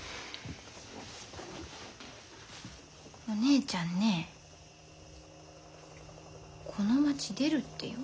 お姉ちゃんねこの町出るってよ。